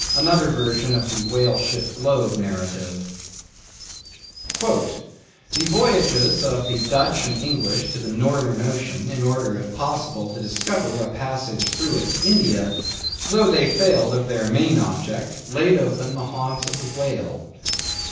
Another Version of the whale ship Globe narrative_. "The voyages of the Dutch and English to the Northern Ocean, in order, if possible, to discover a passage through it to India, though they failed of their main object, laid open the haunts of the whale."